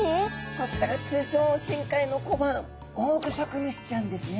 こちらが通称深海の小判オオグソクムシちゃんですね。